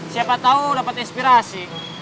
siapa tahu dapat inspirasi